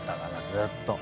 ずーっと。